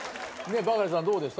バカリさんどうでした？